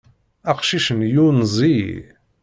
Aqcic-nni yunez-iyi.